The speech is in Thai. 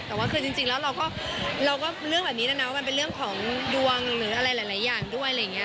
แต่ว่าคือจริงแล้วเราก็เรื่องแบบนี้นะนะว่ามันเป็นเรื่องของดวงหรืออะไรหลายอย่างด้วยอะไรอย่างนี้